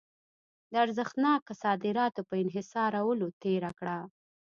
د ارزښتناکه صادراتو په انحصارولو تېره کړه.